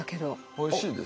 おいしいです。